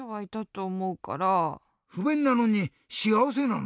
ふべんなのにしあわせなの？